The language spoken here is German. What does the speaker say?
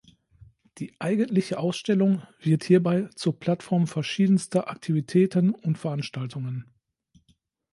Die eigentliche Ausstellung wird hierbei zur Plattform verschiedenster Aktivitäten und Veranstaltungen.